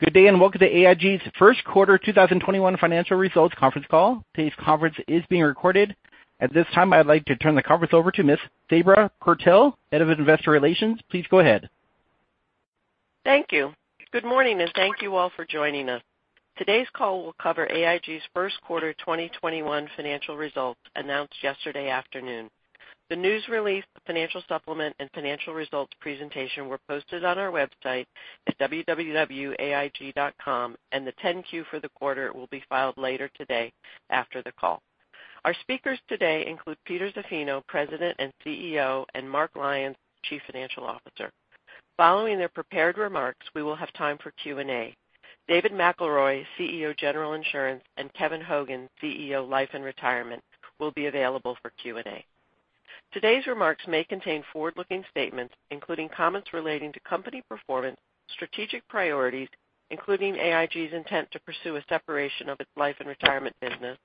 Good day, and welcome to AIG's first quarter 2021 financial results conference call. Today's conference is being recorded. At this time, I'd like to turn the conference over to Ms. Sabra Purtill, Head of Investor Relations. Please go ahead. Thank you. Good morning, and thank you all for joining us. Today's call will cover AIG's first quarter 2021 financial results announced yesterday afternoon. The news release, financial supplement, and financial results presentation were posted on our website at www.aig.com, and the 10-Q for the quarter will be filed later today after the call. Our speakers today include Peter Zaffino, President and CEO, and Mark Lyons, Chief Financial Officer. Following their prepared remarks, we will have time for Q&A. David McElroy, CEO of General Insurance, and Kevin Hogan, CEO of Life & Retirement, will be available for Q&A. Today's remarks may contain forward-looking statements, including comments relating to company performance, strategic priorities, including AIG's intent to pursue a separation of its Life & Retirement business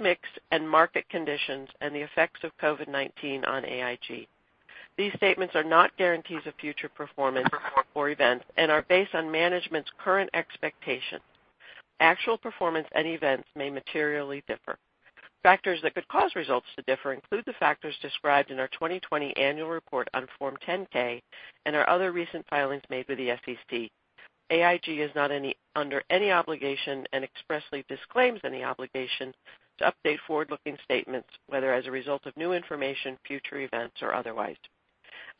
mix, and market conditions, and the effects of COVID-19 on AIG. These statements are not guarantees of future performance or events and are based on management's current expectations. Actual performance and events may materially differ. Factors that could cause results to differ include the factors described in our 2020 annual report on Form 10-K and our other recent filings made with the SEC. AIG is not under any obligation and expressly disclaims any obligation to update forward-looking statements, whether as a result of new information, future events, or otherwise.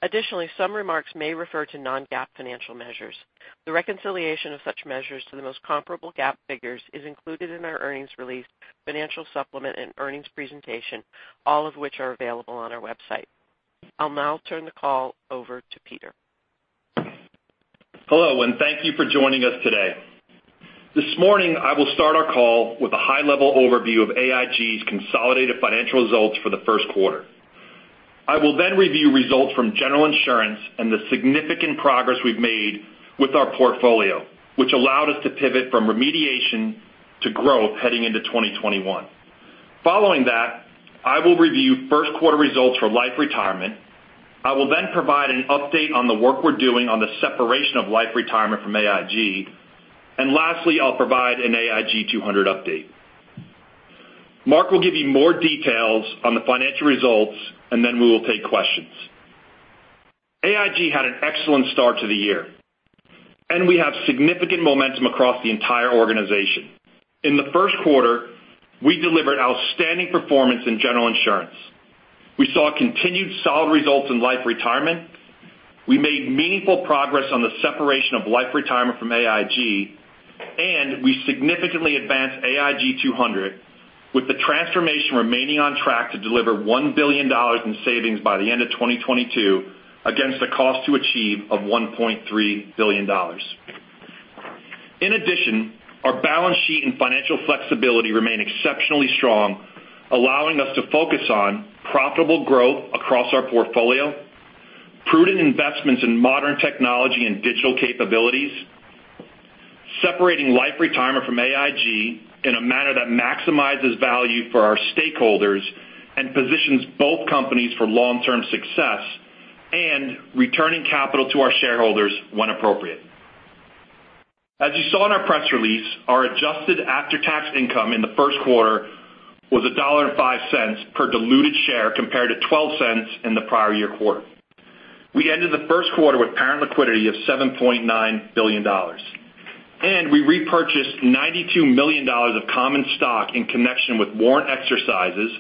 Additionally, some remarks may refer to non-GAAP financial measures. The reconciliation of such measures to the most comparable GAAP figures is included in our earnings release, financial supplement, and earnings presentation, all of which are available on our website. I'll now turn the call over to Peter. Hello, and thank you for joining us today. This morning, I will start our call with a high-level overview of AIG's consolidated financial results for the first quarter. I will then review results from General Insurance and the significant progress we've made with our portfolio, which allowed us to pivot from remediation to growth heading into 2021. Following that, I will review first-quarter results for Life & Retirement. I will then provide an update on the work we're doing on the separation of Life & Retirement from AIG. Lastly, I'll provide an AIG 200 update. Mark will give you more details on the financial results, and then we will take questions. AIG had an excellent start to the year, and we have significant momentum across the entire organization. In the first quarter, we delivered outstanding performance in General Insurance. We saw continued solid results in Life & Retirement. We made meaningful progress on the separation of Life & Retirement from AIG. We significantly advanced AIG 200, with the transformation remaining on track to deliver $1 billion in savings by the end of 2022 against a cost to achieve of $1.3 billion. In addition, our balance sheet and financial flexibility remain exceptionally strong, allowing us to focus on profitable growth across our portfolio, prudent investments in modern technology and digital capabilities, separating Life & Retirement from AIG in a manner that maximizes value for our stakeholders and positions both companies for long-term success, and returning capital to our shareholders when appropriate. As you saw in our press release, our adjusted after-tax income in the first quarter was $1.05 per diluted share compared to $0.12 in the prior year quarter. We ended the first quarter with parent liquidity of $7.9 billion, and we repurchased $92 million of common stock in connection with warrant exercises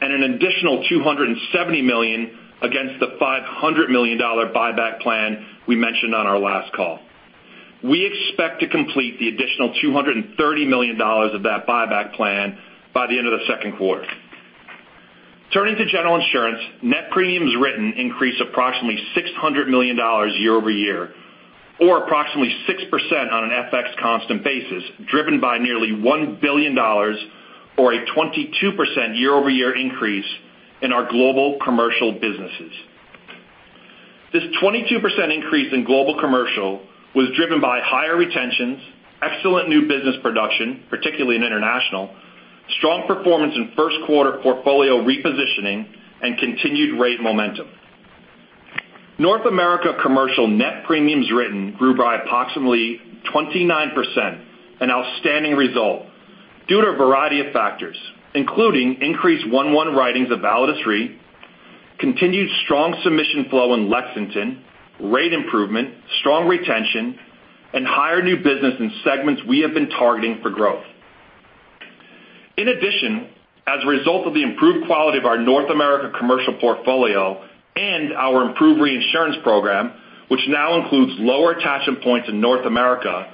and an additional $270 million against the $500 million buyback plan we mentioned on our last call. We expect to complete the additional $230 million of that buyback plan by the end of the second quarter. Turning to General Insurance, net premiums written increased approximately $600 million year-over-year, or approximately 6% on an FX constant basis, driven by nearly $1 billion or a 22% year-over-year increase in our global commercial businesses. This 22% increase in global commercial was driven by higher retentions, excellent new business production, particularly in international, strong performance in first quarter portfolio repositioning, and continued rate momentum. North America Commercial net premiums written grew by approximately 29%, an outstanding result due to a variety of factors, including increased one-one writings of Validus Re, continued strong submission flow in Lexington, rate improvement, strong retention, and higher new business in segments we have been targeting for growth. In addition, as a result of the improved quality of our North America Commercial portfolio and our improved reinsurance program, which now includes lower attachment points in North America,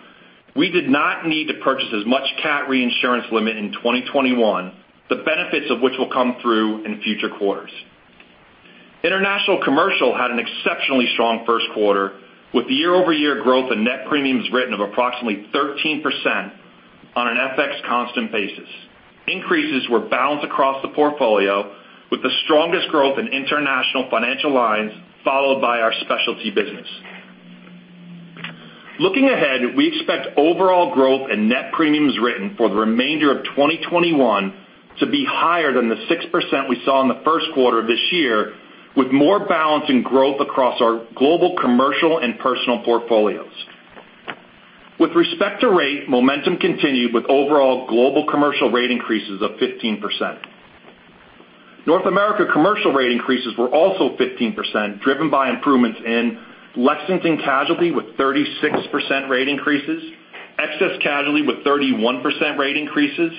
we did not need to purchase as much CAT reinsurance limit in 2021, the benefits of which will come through in future quarters. International Commercial had an exceptionally strong first quarter, with year-over-year growth in net premiums written of approximately 13% on an FX constant basis. Increases were balanced across the portfolio, with the strongest growth in International Financial Lines followed by our specialty business. Looking ahead, we expect overall growth in net premiums written for the remainder of 2021 to be higher than the 6% we saw in the first quarter of this year with more balance and growth across our global commercial and personal portfolios. With respect to rate, momentum continued with overall global commercial rate increases of 15%. North America Commercial rate increases were also 15%, driven by improvements in Lexington Casualty with 36% rate increases, Excess Casualty with 31% rate increases,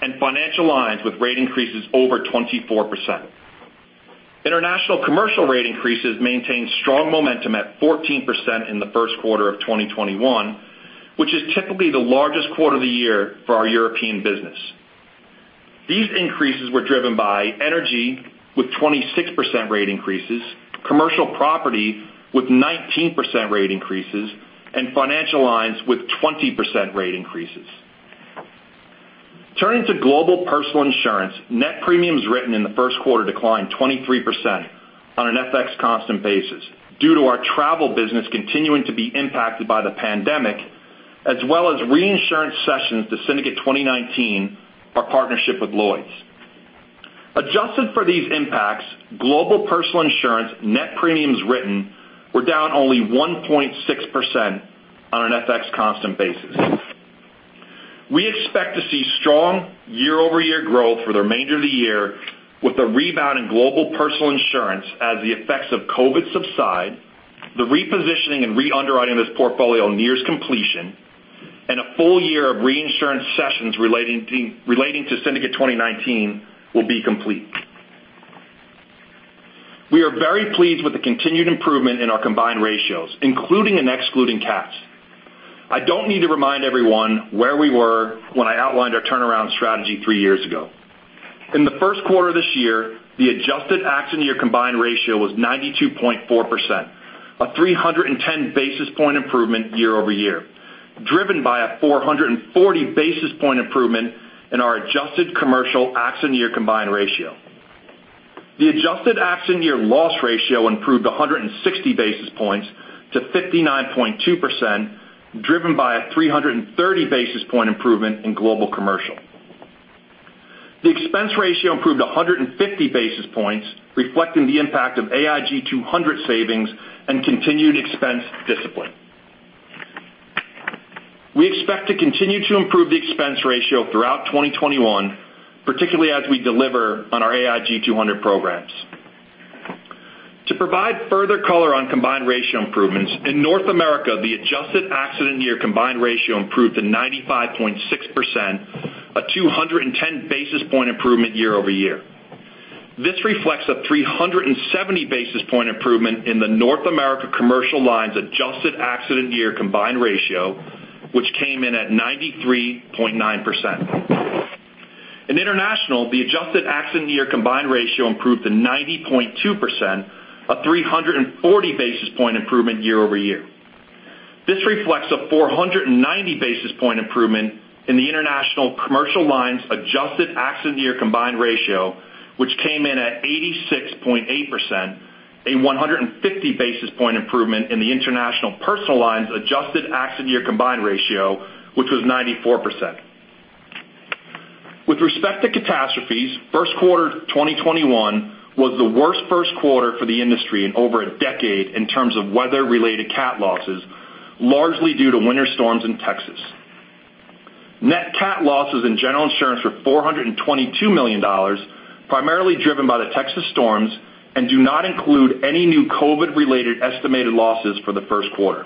and Financial Lines with rate increases over 24%. International Commercial rate increases maintained strong momentum at 14% in the first quarter of 2021, which is typically the largest quarter of the year for our European business. These increases were driven by energy, with 26% rate increases, commercial property with 19% rate increases, and Financial Lines with 20% rate increases. Turning to Global Personal Insurance, net premiums written in the first quarter declined 23% on an FX constant basis due to our travel business continuing to be impacted by the pandemic, as well as reinsurance sessions to Syndicate 2019, our partnership with Lloyd's. Adjusted for these impacts, Global Personal Insurance net premiums written were down only 1.6% on an FX constant basis. We expect to see strong year-over-year growth for the remainder of the year with a rebound in Global Personal Insurance as the effects of COVID subside, the repositioning and re-underwriting of this portfolio nears completion, and a full year of reinsurance sessions relating to Syndicate 2019 will be complete. We are very pleased with the continued improvement in our combined ratios, including and excluding CATs. I don't need to remind everyone where we were when I outlined our turnaround strategy three years ago. In the first quarter of this year, the adjusted accident year combined ratio was 92.4%, a 310 basis point improvement year-over-year, driven by a 440 basis point improvement in our adjusted commercial accident year combined ratio. The adjusted accident year loss ratio improved 160 basis points to 59.2%, driven by a 330 basis point improvement in global commercial. The expense ratio improved 150 basis points, reflecting the impact of AIG 200 savings and continued expense discipline. We expect to continue to improve the expense ratio throughout 2021, particularly as we deliver on our AIG 200 programs. To provide further color on combined ratio improvements, in North America, the adjusted accident year combined ratio improved to 95.6%, a 210 basis point improvement year-over-year. This reflects a 370 basis point improvement in the North America Commercial lines adjusted accident year combined ratio, which came in at 93.9%. In international, the adjusted accident year combined ratio improved to 90.2%, a 340 basis point improvement year-over-year. This reflects a 490 basis point improvement in the International Commercial lines adjusted accident year combined ratio, which came in at 86.8%, a 150 basis point improvement in the International Personal lines adjusted accident year combined ratio, which was 94%. With respect to catastrophes, first quarter 2021 was the worst first quarter for the industry in over a decade in terms of weather-related cat losses, largely due to winter storms in Texas. Net cat losses in General Insurance were $422 million, primarily driven by the Texas storms, and do not include any new COVID-related estimated losses for the first quarter.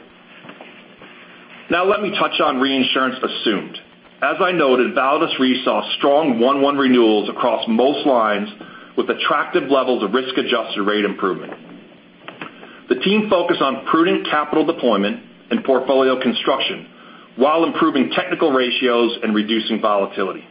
Let me touch on reinsurance assumed. As I noted, Validus Re saw strong 1-1 renewals across most lines with attractive levels of risk-adjusted rate improvement. The team focused on prudent capital deployment and portfolio construction while improving technical ratios and reducing volatility.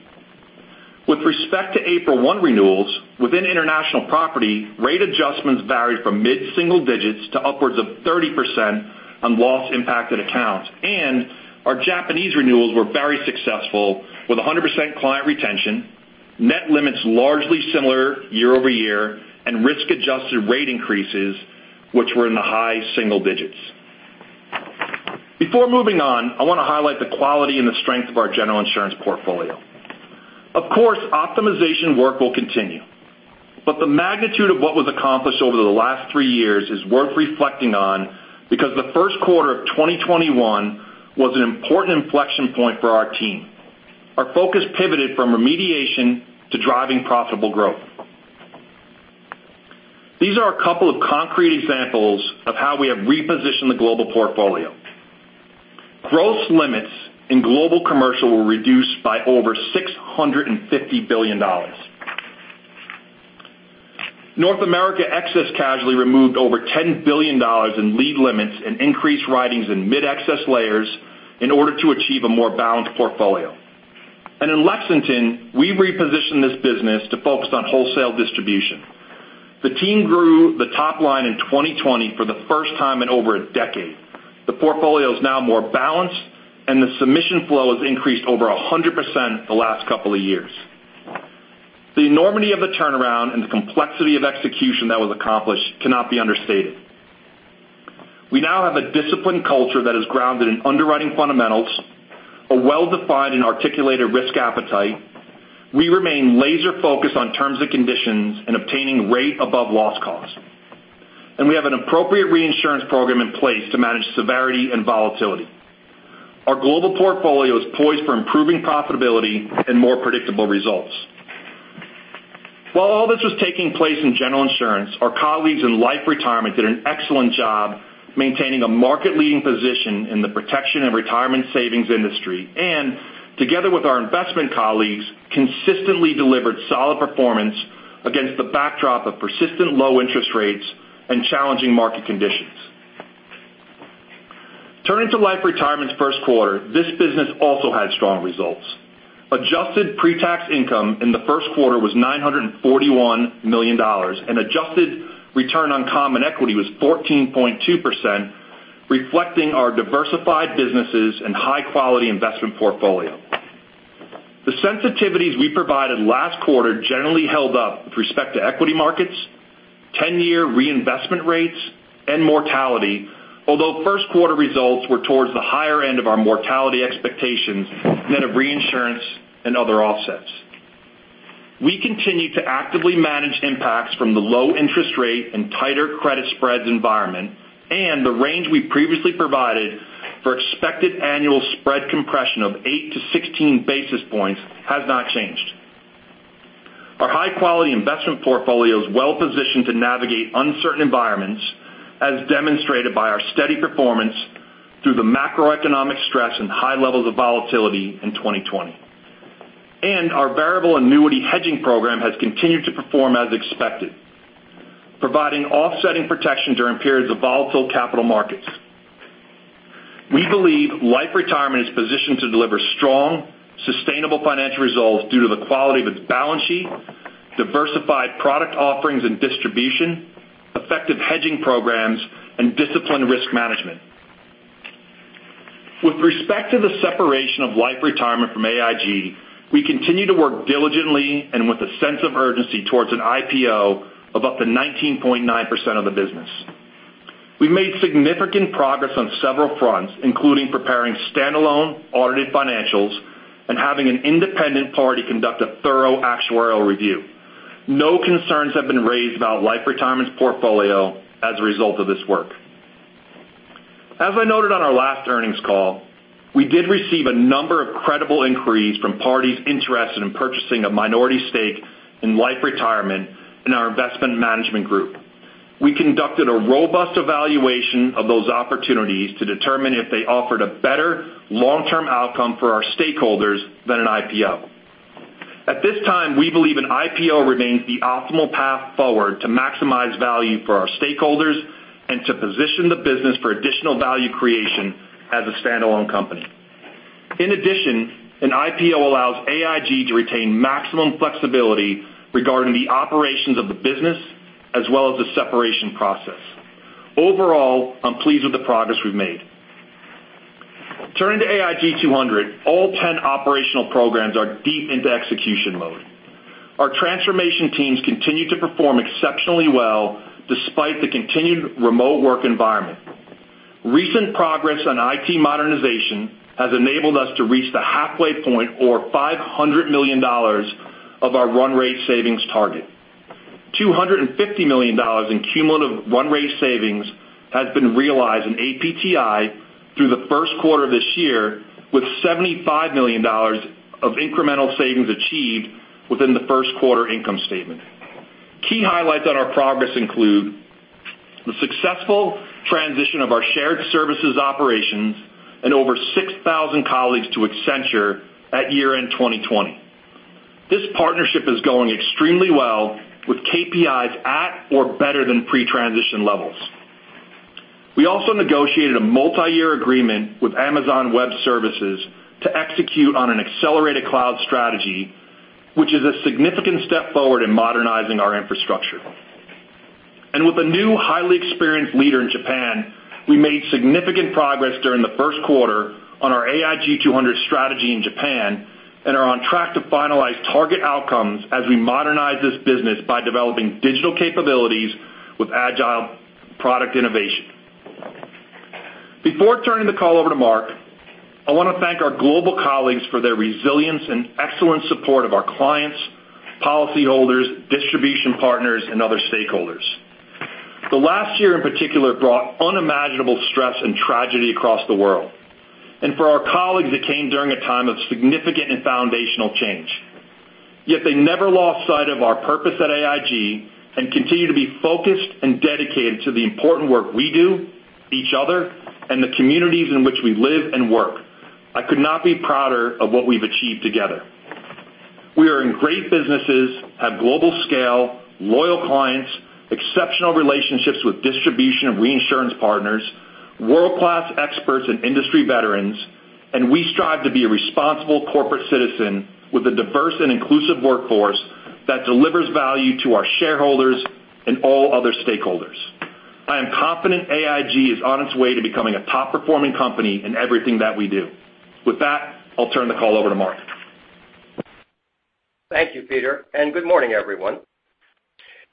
With respect to April 1 renewals, within international property, rate adjustments varied from mid-single digits to upwards of 30% on loss-impacted accounts. Our Japanese renewals were very successful with 100% client retention, net limits largely similar year-over-year, and risk-adjusted rate increases, which were in the high single digits. Before moving on, I want to highlight the quality and the strength of our General Insurance portfolio. Of course, optimization work will continue, but the magnitude of what was accomplished over the last three years is worth reflecting on because the first quarter of 2021 was an important inflection point for our team. Our focus pivoted from remediation to driving profitable growth. These are a couple of concrete examples of how we have repositioned the global portfolio. Gross limits in global commercial were reduced by over $650 billion. North America Excess Casualty removed over $10 billion in lead limits and increased writings in mid-excess layers in order to achieve a more balanced portfolio. In Lexington, we repositioned this business to focus on wholesale distribution. The team grew the top line in 2020 for the first time in over a decade. The portfolio is now more balanced, and the submission flow has increased over 100% the last couple of years. The enormity of the turnaround and the complexity of execution that was accomplished cannot be understated. We now have a disciplined culture that is grounded in underwriting fundamentals, a well-defined and articulated risk appetite. We remain laser-focused on terms and conditions and obtaining rate above loss cost. We have an appropriate reinsurance program in place to manage severity and volatility. Our global portfolio is poised for improving profitability and more predictable results. While all this was taking place in General Insurance, our colleagues in Life & Retirement did an excellent job maintaining a market-leading position in the protection and retirement savings industry, and together with our investment colleagues, consistently delivered solid performance against the backdrop of persistent low interest rates and challenging market conditions. Turning to Life & Retirement's first quarter, this business also had strong results. Adjusted pre-tax income in the first quarter was $941 million, and adjusted return on common equity was 14.2%, reflecting our diversified businesses and high-quality investment portfolio. The sensitivities we provided last quarter generally held up with respect to equity markets, 10-year reinvestment rates, and mortality. Although first quarter results were towards the higher end of our mortality expectations, net of reinsurance and other offsets. We continue to actively manage impacts from the low interest rate and tighter credit spreads environment, and the range we previously provided for expected annual spread compression of 8-16 basis points has not changed. Our high-quality investment portfolio is well-positioned to navigate uncertain environments, as demonstrated by our steady performance through the macroeconomic stress and high levels of volatility in 2020. Our variable annuity hedging program has continued to perform as expected, providing offsetting protection during periods of volatile capital markets. We believe Life & Retirement is positioned to deliver strong, sustainable financial results due to the quality of its balance sheet, diversified product offerings and distribution, effective hedging programs, and disciplined risk management. With respect to the separation of Life & Retirement from AIG, we continue to work diligently and with a sense of urgency towards an IPO of up to 19.9% of the business. We made significant progress on several fronts, including preparing standalone audited financials and having an independent party conduct a thorough actuarial review. No concerns have been raised about Life & Retirement's portfolio as a result of this work. As I noted on our last earnings call, we did receive a number of credible inquiries from parties interested in purchasing a minority stake in Life & Retirement and our investment management group. We conducted a robust evaluation of those opportunities to determine if they offered a better long-term outcome for our stakeholders than an IPO. At this time, we believe an IPO remains the optimal path forward to maximize value for our stakeholders and to position the business for additional value creation as a standalone company. In addition, an IPO allows AIG to retain maximum flexibility regarding the operations of the business as well as the separation process. Overall, I'm pleased with the progress we've made. Turning to AIG 200, all 10 operational programs are deep into execution mode. Our transformation teams continue to perform exceptionally well despite the continued remote work environment. Recent progress on IT modernization has enabled us to reach the halfway point or $500 million of our run rate savings target. $250 million in cumulative run rate savings has been realized in APTI through the first quarter of this year, with $75 million of incremental savings achieved within the first quarter income statement. Key highlights on our progress include the successful transition of our shared services operations and over 6,000 colleagues to Accenture at year-end 2020. This partnership is going extremely well with KPIs at or better than pre-transition levels. We also negotiated a multi-year agreement with Amazon Web Services to execute on an accelerated cloud strategy, which is a significant step forward in modernizing our infrastructure. With a new highly experienced leader in Japan, we made significant progress during the first quarter on our AIG 200 strategy in Japan and are on track to finalize target outcomes as we modernize this business by developing digital capabilities with agile product innovation. Before turning the call over to Mark, I want to thank our global colleagues for their resilience and excellent support of our clients, policyholders, distribution partners, and other stakeholders. The last year in particular, brought unimaginable stress and tragedy across the world. For our colleagues, it came during a time of significant and foundational change. Yet they never lost sightseeing of our purpose at AIG and continue to be focused and dedicated to the important work we do, each other, and the communities in which we live and work. I could not be prouder of what we've achieved together. We are in great businesses, have global scale, loyal clients, exceptional relationships with distribution and reinsurance partners, world-class experts, and industry veterans, and we strive to be a responsible corporate citizen with a diverse and inclusive workforce that delivers value to our shareholders and all other stakeholders. I am confident AIG is on its way to becoming a top-performing company in everything that we do. With that, I'll turn the call over to Mark. Thank you, Peter. Good morning, everyone.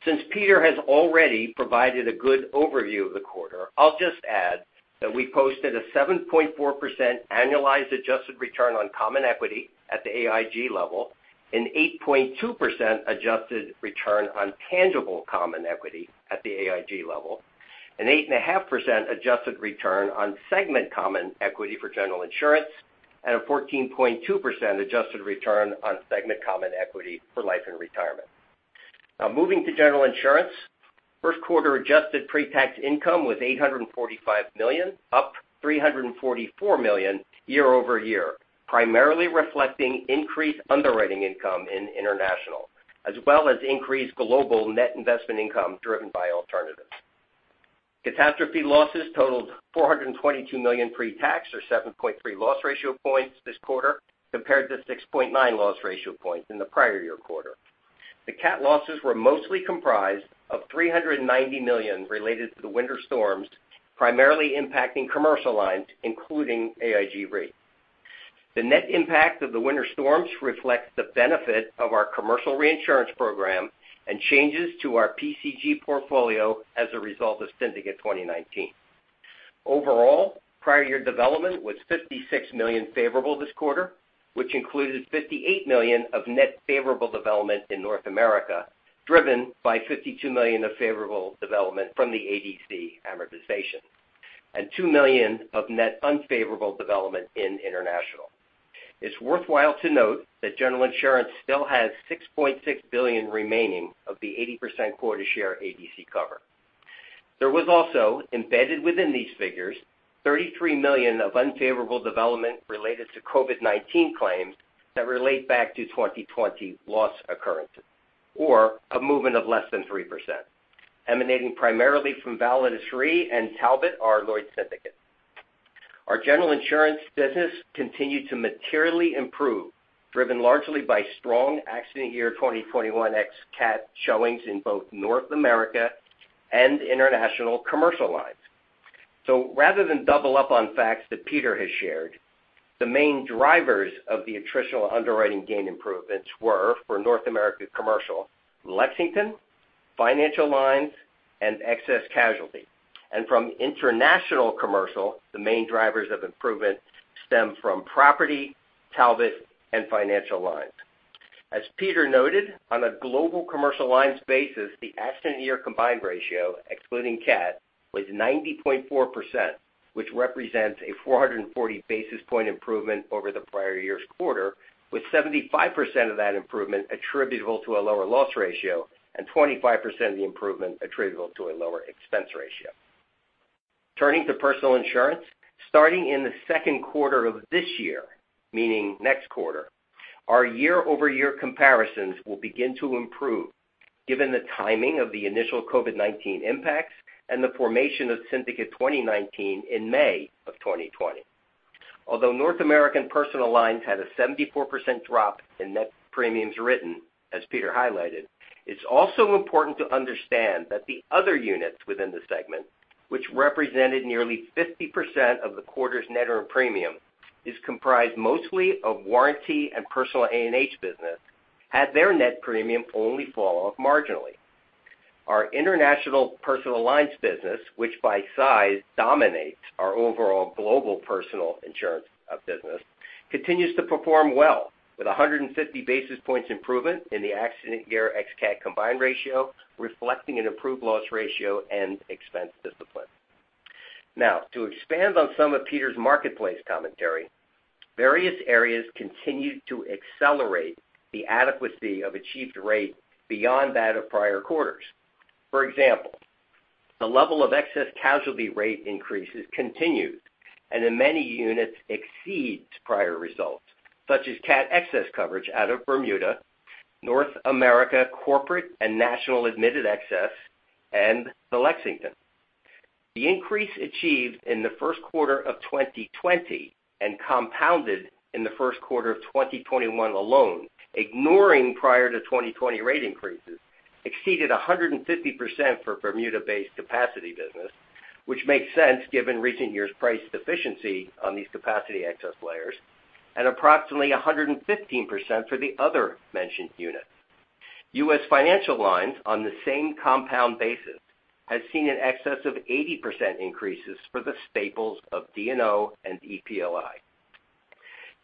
Since Peter has already provided a good overview of the quarter, I'll just add that we posted a 7.4% annualized adjusted return on common equity at the AIG level, an 8.2% adjusted return on tangible common equity at the AIG level, an 8.5% adjusted return on segment common equity for General Insurance, and a 14.2% adjusted return on segment common equity for Life & Retirement. Moving to General Insurance, first quarter adjusted pre-tax income was $845 million, up $344 million year-over-year, primarily reflecting increased underwriting income in international, as well as increased global net investment income driven by alternatives. Catastrophe losses totaled $422 million pre-tax, or 7.3% loss ratio points this quarter, compared to 6.9% loss ratio points in the prior year quarter. The CAT losses were mostly comprised of $390 million related to the winter storms, primarily impacting commercial lines, including AIG Re. The net impact of the winter storms reflects the benefit of our commercial reinsurance program and changes to our PCG portfolio as a result of Syndicate 2019. Overall, prior year development was $56 million favorable this quarter, which included $58 million of net favorable development in North America, driven by $52 million of favorable development from the ADC amortization and $2 million of net unfavorable development in international. It's worthwhile to note that General Insurance still has $6.6 billion remaining of the 80% quota share ADC cover. There was also, embedded within these figures, $33 million of unfavorable development related to COVID-19 claims that relate back to 2020 loss occurrences, or a movement of less than 3%, emanating primarily from Validus Re and Talbot, our Lloyd's syndicate. Our General Insurance business continued to materially improve, driven largely by strong accident year 2021 ex-CAT showings in both North America Commercial and International Commercial. Rather than double up on facts that Peter has shared, the main drivers of the attritional underwriting gain improvements were, for North America Commercial, Lexington, Financial Lines, and Excess Casualty. From International Commercial, the main drivers of improvement stem from property, Talbot, and Financial Lines. As Peter noted, on a Global Commercial Lines basis, the accident year combined ratio, excluding CAT, was 90.4%, which represents a 440 basis point improvement over the prior year's quarter, with 75% of that improvement attributable to a lower loss ratio and 25% of the improvement attributable to a lower expense ratio. Turning to personal insurance, starting in the second quarter of this year, meaning next quarter, our year-over-year comparisons will begin to improve given the timing of the initial COVID-19 impacts and the formation of Syndicate 2019 in May of 2020. Although North American Personal Lines had a 74% drop in net premiums written, as Peter highlighted, it's also important to understand that the other units within the segment, which represented nearly 50% of the quarter's net earned premium, is comprised mostly of warranty and personal A&H business, had their net premium only fall off marginally. Our International Personal Lines business, which by size dominates our overall Global Personal Insurance business, continues to perform well with 150 basis points improvement in the accident year ex-CAT combined ratio, reflecting an improved loss ratio and expense discipline. To expand on some of Peter's marketplace commentary, various areas continued to accelerate the adequacy of achieved rate beyond that of prior quarters. For example, the level of Excess Casualty rate increases continued and in many units exceeds prior results, such as CAT excess coverage out of Bermuda, North America corporate and national admitted excess, and The Lexington. The increase achieved in the first quarter of 2020 and compounded in the first quarter of 2021 alone, ignoring prior to 2020 rate increases, exceeded 150% for Bermuda-based capacity business, which makes sense given recent years' price deficiency on these capacity excess layers, and approximately 115% for the other mentioned units. U.S. Financial Lines on the same compound basis has seen in excess of 80% increases for the staples of D&O and EPLI.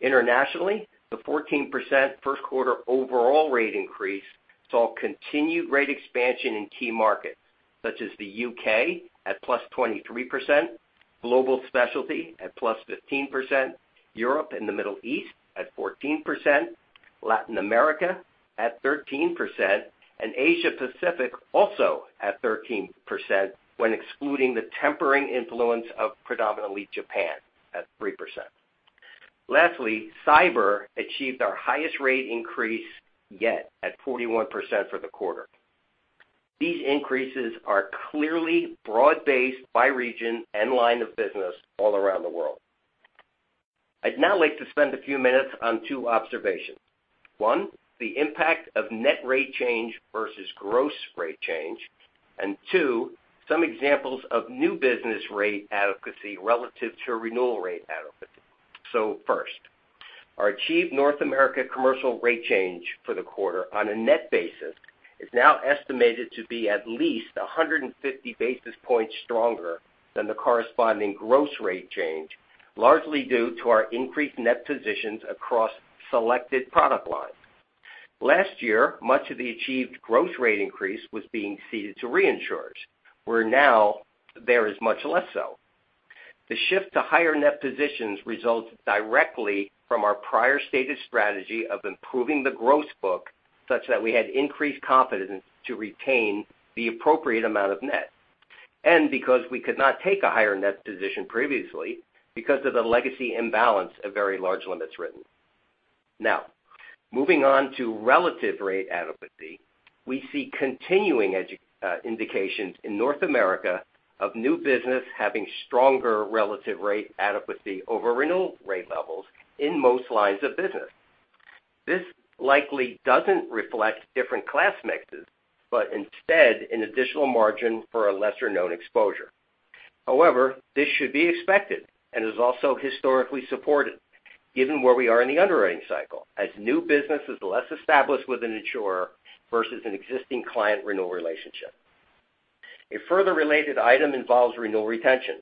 Internationally, the 14% first quarter overall rate increase saw continued rate expansion in key markets such as the U.K. at +23%, Global Specialty at +15%, Europe and the Middle East at 14%, Latin America at 13%, and Asia Pacific also at 13% when excluding the tempering influence of predominantly Japan at 3%. Lastly, cyber achieved our highest rate increase yet at 41% for the quarter. These increases are clearly broad-based by region and line of business all around the world. I'd now like to spend a few minutes on two observations. One, the impact of net rate change versus gross rate change. Two, some examples of new business rate adequacy relative to renewal rate adequacy. First, our achieved North America Commercial rate change for the quarter on a net basis is now estimated to be at least 150 basis points stronger than the corresponding gross rate change, largely due to our increased net positions across selected product lines. Last year, much of the achieved gross rate increase was being ceded to reinsurers, where now there is much less so. The shift to higher net positions results directly from our prior stated strategy of improving the gross book such that we had increased confidence to retain the appropriate amount of net, and because we could not take a higher net position previously because of the legacy imbalance of very large limits written. Moving on to relative rate adequacy, we see continuing indications in North America of new business having stronger relative rate adequacy over renewal rate levels in most lines of business. This likely doesn't reflect different class mixes, but instead an additional margin for a lesser known exposure. However, this should be expected and is also historically supported given where we are in the underwriting cycle, as new business is less established with an insurer versus an existing client renewal relationship. A further related item involves renewal retention.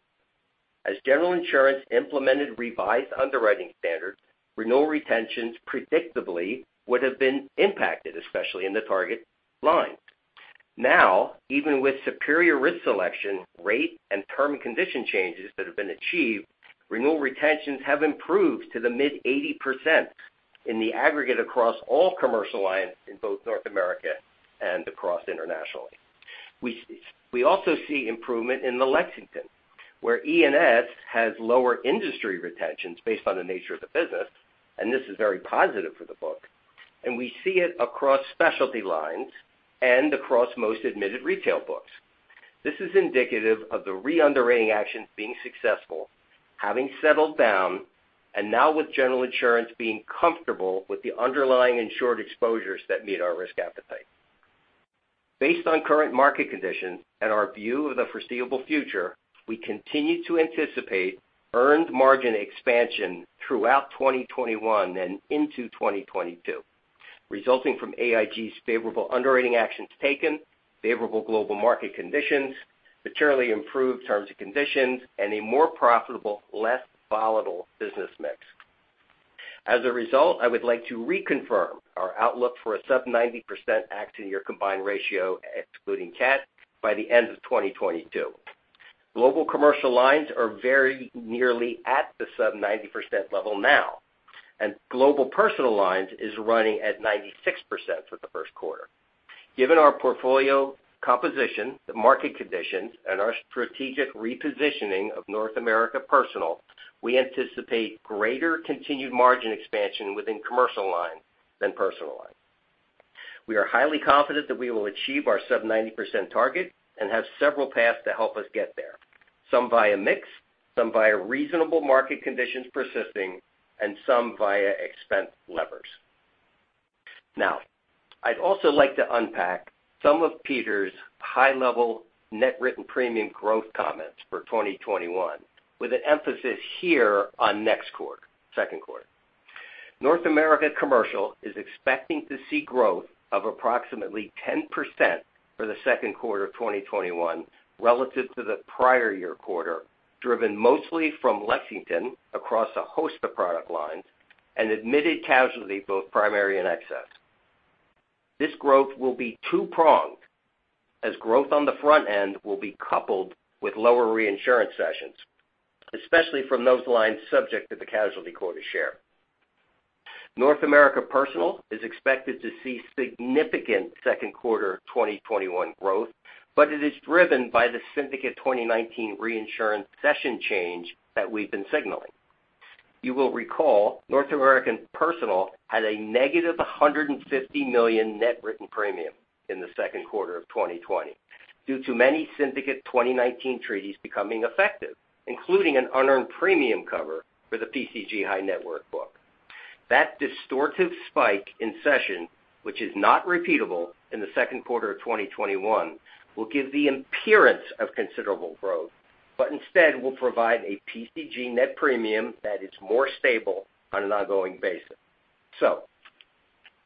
As General Insurance implemented revised underwriting standards, renewal retentions predictably would have been impacted, especially in the target lines. Now, even with superior risk selection, rate, and term condition changes that have been achieved, renewal retentions have improved to the mid-80% in the aggregate across all commercial lines in both North America and across internationally. We also see improvement in the Lexington, where E&S has lower industry retentions based on the nature of the business. This is very positive for the book, we see it across specialty lines and across most admitted retail books. This is indicative of the re-underwriting actions being successful, having settled down, and now with General Insurance being comfortable with the underlying insured exposures that meet our risk appetite. Based on current market conditions and our view of the foreseeable future, we continue to anticipate earned margin expansion throughout 2021 and into 2022, resulting from AIG's favorable underwriting actions taken, favorable global market conditions, materially improved terms and conditions, and a more profitable, less volatile business mix. As a result, I would like to reconfirm our outlook for a sub 90% accident year combined ratio, excluding CAT, by the end of 2022. Global commercial lines are very nearly at the sub 90% level now, and Global Personal lines is running at 96% for the first quarter. Given our portfolio composition, the market conditions, and our strategic repositioning of North America Personal, we anticipate greater continued margin expansion within commercial lines than personal lines. We are highly confident that we will achieve our sub 90% target and have several paths to help us get there, some via mix, some via reasonable market conditions persisting, and some via expense levers. I'd also like to unpack some of Peter's high-level net written premium growth comments for 2021, with an emphasis here on next quarter, second quarter. North America Commercial is expecting to see growth of approximately 10% for the second quarter of 2021 relative to the prior year quarter, driven mostly from Lexington across a host of product lines and admitted casualty, both primary and excess. This growth will be two-pronged, as growth on the front end will be coupled with lower reinsurance cessions, especially from those lines subject to the casualty quota share. North America Personal is expected to see significant second quarter 2021 growth. It is driven by the Syndicate 2019 reinsurance cession change that we've been signaling. You will recall North American Personal had a negative $150 million net written premium in the second quarter of 2020 due to many Syndicate 2019 treaties becoming effective, including an unearned premium cover for the PCG High Net Worth book. That distortive spike in cession, which is not repeatable in the second quarter of 2021, will give the appearance of considerable growth, but instead will provide a PCG net premium that is more stable on an ongoing basis.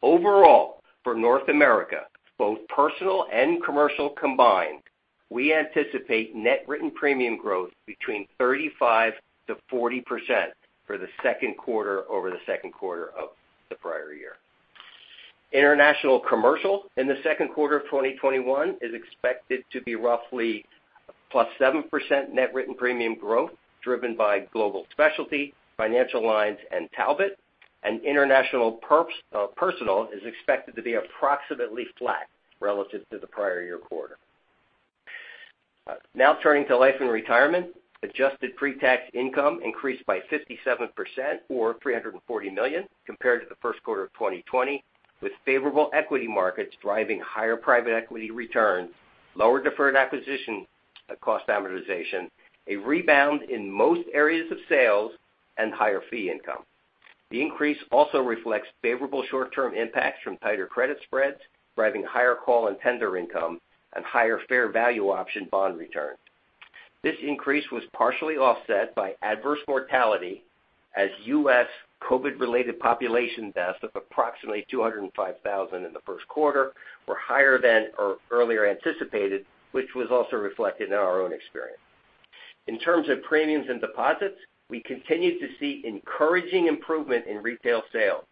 Overall, for North America, both Personal and Commercial combined, we anticipate net written premium growth between 35%-40% for the second quarter over the second quarter of the prior year. International Commercial in the second quarter of 2021 is expected to be roughly +7% net written premium growth, driven by Global Specialty, Financial Lines, and Talbot. International Personal is expected to be approximately flat relative to the prior year quarter. Turning to Life and Retirement. Adjusted pre-tax income increased by 57%, or $340 million, compared to the first quarter of 2020, with favorable equity markets driving higher private equity returns, lower deferred acquisition cost amortization, a rebound in most areas of sales, and higher fee income. The increase also reflects favorable short-term impacts from tighter credit spreads, driving higher call and tender income and higher fair value option bond returns. This increase was partially offset by adverse mortality as U.S. COVID-related population deaths of approximately 205,000 in the first quarter were higher than earlier anticipated, which was also reflected in our own experience. In terms of premiums and deposits, we continue to see encouraging improvement in retail sales.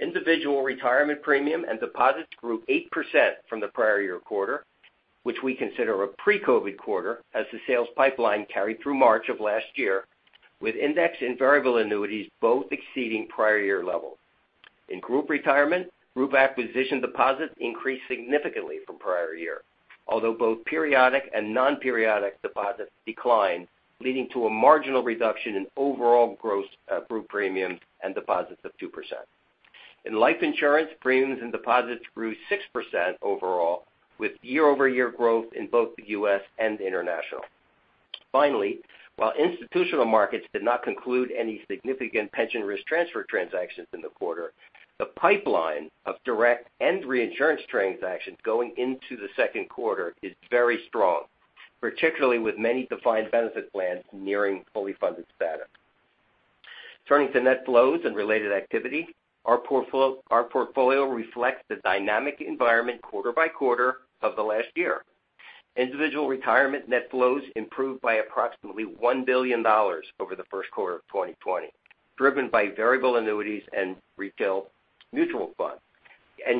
Individual retirement premium and deposits grew 8% from the prior year quarter, which we consider a pre-COVID quarter as the sales pipeline carried through March of last year, with index and variable annuities both exceeding prior year levels. In group retirement, group acquisition deposits increased significantly from prior year, although both periodic and non-periodic deposits declined, leading to a marginal reduction in overall gross group premiums and deposits of 2%. In life insurance, premiums and deposits grew 6% overall with year-over-year growth in both the U.S. and international. Finally, while institutional markets did not conclude any significant pension risk transfer transactions in the quarter, the pipeline of direct and reinsurance transactions going into the second quarter is very strong, particularly with many defined benefit plans nearing fully funded status. Turning to net flows and related activity, our portfolio reflects the dynamic environment quarter by quarter of the last year. Individual retirement net flows improved by approximately $1 billion over the first quarter of 2020, driven by variable annuities and retail mutual funds.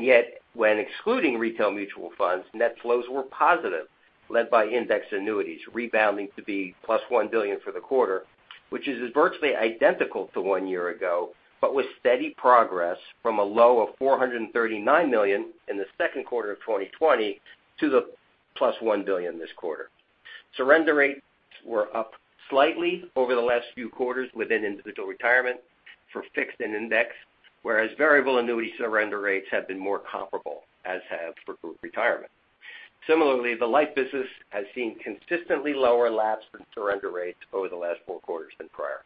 Yet, when excluding retail mutual funds, net flows were positive, led by index annuities rebounding to be +$1 billion for the quarter, which is virtually identical to one year ago, but with steady progress from a low of $439 million in the second quarter of 2020 to the +$1 billion this quarter. Surrender rates were up slightly over the last few quarters within individual retirement for fixed and indexed, whereas variable annuity surrender rates have been more comparable, as have for group retirement. Similarly, the life business has seen consistently lower lapse and surrender rates over the last four quarters than prior.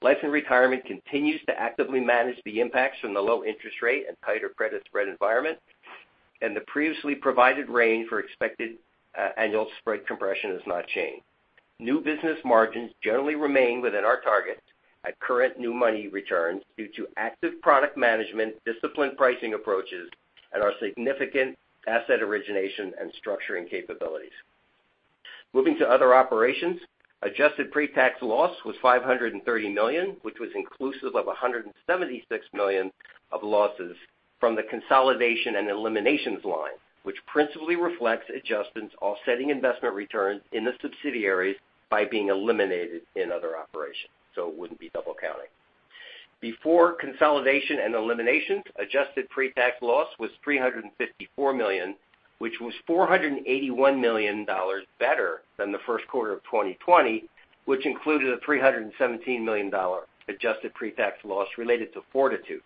Life & Retirement continues to actively manage the impacts from the low interest rate and tighter credit spread environment, and the previously provided range for expected annual spread compression has not changed. New business margins generally remain within our target at current new money returns due to active product management, disciplined pricing approaches, and our significant asset origination and structuring capabilities. Moving to other operations, adjusted pre-tax loss was $530 million, which was inclusive of $176 million of losses from the consolidation and eliminations line, which principally reflects adjustments offsetting investment returns in the subsidiaries by being eliminated in other operations. It wouldn't be double counting. Before consolidation and eliminations, adjusted pre-tax loss was $354 million, which was $481 million better than the first quarter of 2020, which included a $317 million adjusted pre-tax loss related to Fortitude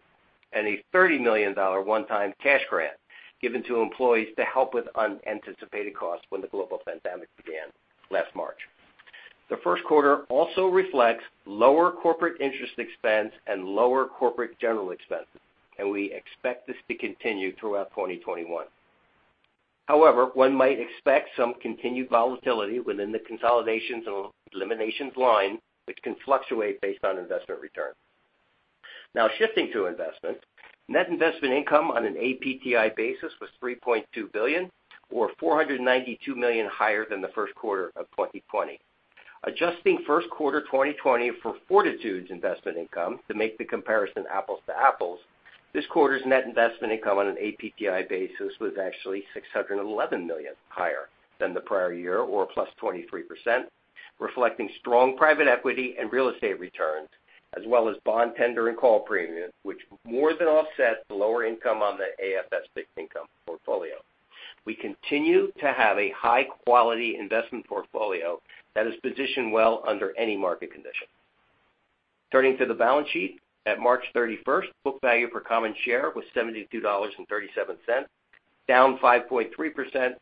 and a $30 million one-time cash grant given to employees to help with unanticipated costs when the global pandemic began last March. The first quarter also reflects lower corporate interest expense and lower corporate general expenses. We expect this to continue throughout 2021. However, one might expect some continued volatility within the consolidations and eliminations line, which can fluctuate based on investment return. Now shifting to investment. Net investment income on an APTI basis was $3.2 billion, or $492 million higher than the first quarter of 2020. Adjusting first quarter 2020 for Fortitude's investment income to make the comparison apples to apples, this quarter's net investment income on an APTI basis was actually $611 million higher than the prior year, or +23%, reflecting strong private equity and real estate returns, as well as bond tender and call premiums, which more than offset the lower income on the AFS fixed income portfolio. We continue to have a high-quality investment portfolio that is positioned well under any market condition. Turning to the balance sheet. At March 31st, book value per common share was $72.37, down 5.3%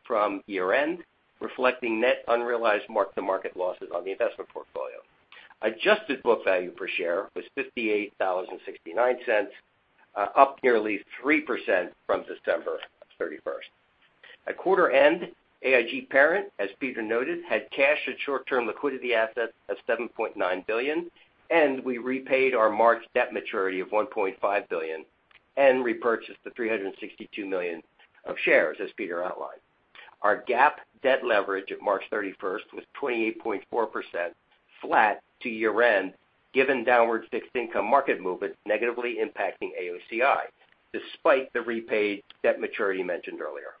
from year-end, reflecting net unrealized mark-to-market losses on the investment portfolio. Adjusted book value per share was $58.69, up nearly 3% from December 31st. At quarter end, AIG Parent, as Peter noted, had cash and short-term liquidity assets of $7.9 billion, and we repaid our March debt maturity of $1.5 billion and repurchased the $362 million of shares, as Peter outlined. Our GAAP debt leverage at March 31st was 28.4%, flat to year-end, given downward fixed income market movements negatively impacting AOCI, despite the repaid debt maturity mentioned earlier.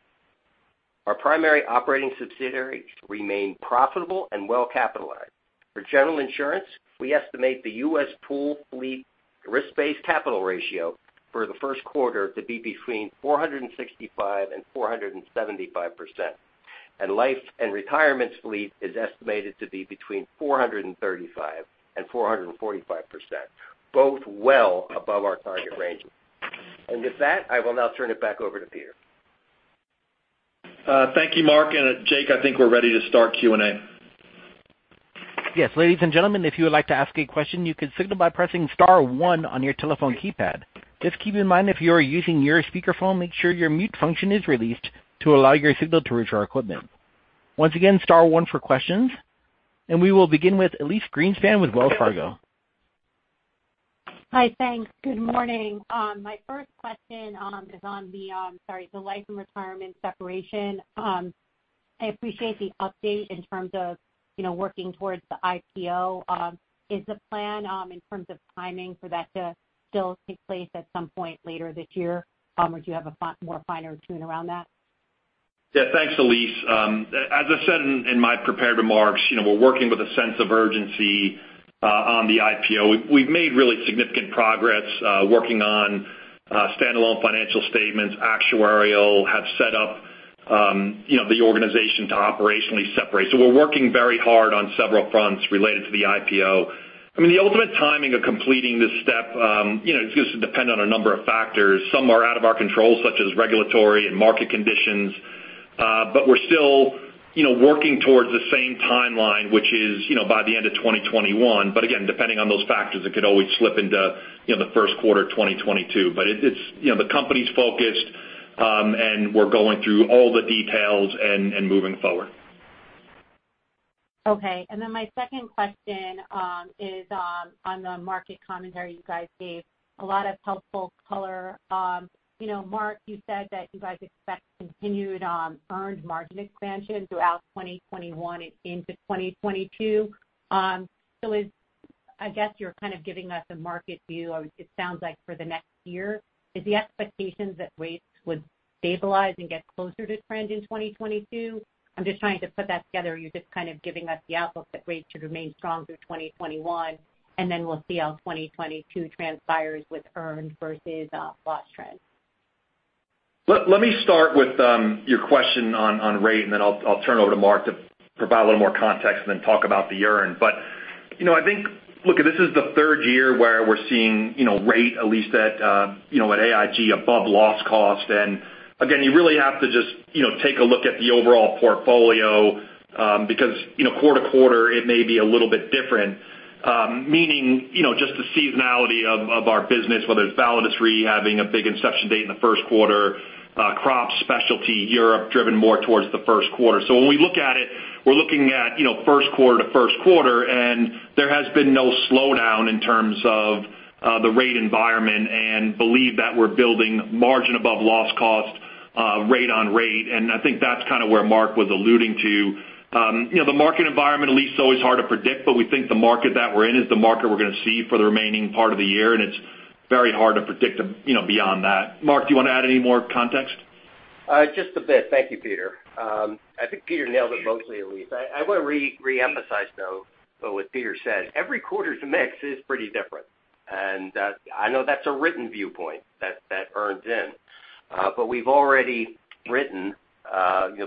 Our primary operating subsidiaries remain profitable and well-capitalized. For General Insurance, we estimate the U.S. pool fleet risk-based capital ratio for the first quarter to be between 465% and 475%, and Life & Retirement's fleet is estimated to be between 435% and 445%, both well above our target ranges. With that, I will now turn it back over to Peter. Thank you, Mark. Jake, I think we're ready to start Q&A. Yes. Ladies and gentlemen, if you would like to ask a question, you can signal by pressing star one on your telephone keypad. Just keep in mind, if you are using your speakerphone, make sure your mute function is released to allow your signal to reach our equipment. Once again, star one for questions. We will begin with Elyse Greenspan with Wells Fargo. Hi. Thanks. Good morning. My first question is on the, sorry, the Life & Retirement separation. I appreciate the update in terms of working towards the IPO. Is the plan in terms of timing for that to still take place at some point later this year? Do you have a more finer tune around that? Thanks, Elyse. As I said in my prepared remarks, we're working with a sense of urgency on the IPO. We've made really significant progress working on standalone financial statements. actuarial have set up the organization to operationally separate. We're working very hard on several fronts related to the IPO. The ultimate timing of completing this step is going to depend on a number of factors. Some are out of our control, such as regulatory and market conditions. We're still working towards the same timeline, which is by the end of 2021. Again, depending on those factors, it could always slip into the first quarter of 2022. The company's focused, and we're going through all the details and moving forward. Okay. My second question is on the market commentary you guys gave. A lot of helpful color. Mark, you said that you guys expect continued earned margin expansion throughout 2021 into 2022. I guess you're kind of giving us a market view, or it sounds like for the next year. Is the expectation that rates would stabilize and get closer to trend in 2022? I'm just trying to put that together. You're just kind of giving us the outlook that rates should remain strong through 2021, and then we'll see how 2022 transpires with earned versus loss trend. Let me start with your question on rate, and then I'll turn it over to Mark to provide a little more context and then talk about the earn. I think, look, this is the third year where we're seeing rate, at least at AIG, above loss cost. Again, you really have to just take a look at the overall portfolio because quarter to quarter it may be a little bit different. Meaning just the seasonality of our business, whether it's Validus Re, having a big inception date in the first quarter, crop specialty, Europe driven more towards the first quarter. When we look at it, we're looking at first quarter to first quarter, and there has been no slowdown in terms of the rate environment and believe that we're building margin above loss cost rate on rate. I think that's kind of where Mark was alluding to. The market environment, at least, it's always hard to predict, but we think the market that we're in is the market we're going to see for the remaining part of the year, and it's very hard to predict beyond that. Mark, do you want to add any more context? Just a bit. Thank you, Peter. I think Peter nailed it mostly, Elyse. I want to reemphasize, though, what Peter said. Every quarter's mix is pretty different, and I know that's a written viewpoint that earns in. We've already written